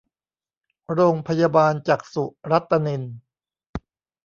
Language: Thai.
โรงพยาบาลจักษุรัตนิน